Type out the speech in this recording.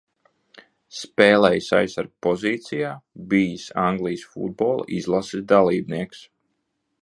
Spēlējis aizsarga pozīcijā, bijis Anglijas futbola izlases dalībnieks.